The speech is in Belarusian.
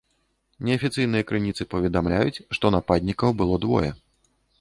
Неафіцыйныя крыніцы паведамляюць, што нападнікаў было двое.